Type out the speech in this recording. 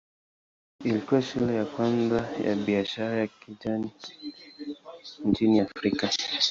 Ilikuwa shule ya kwanza ya biashara ya kijani nchini Afrika.